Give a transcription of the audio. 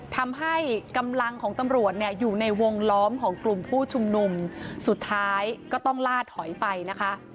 ทำให้กำลังของตำรวจเนี่ยอยู่ในวงล้อมของกลุ่มผู้ชุมนุมสุดท้ายก็ต้องล่าถอยไปนะคะ